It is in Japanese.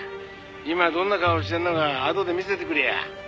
「今どんな顔をしてるのかあとで見せてくれや」